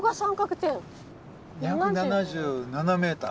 ２７７ｍ。